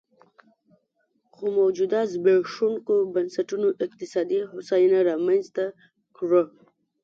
خو موجوده زبېښونکو بنسټونو اقتصادي هوساینه رامنځته کړه